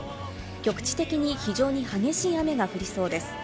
局地的に非常に激しい雨が降りそうです。